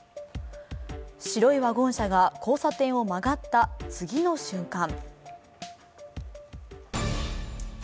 白いワゴン車が交差点を曲がった次の瞬間